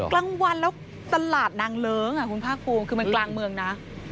กลางวันแล้วตลาดนางเลิ้งคุณภาคภูมิคือมันกลางเมืองนะ